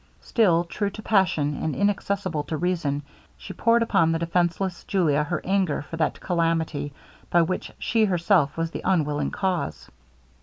Still true to passion, and inaccessible to reason, she poured upon the defenceless Julia her anger for that calamity of which she herself was the unwilling cause.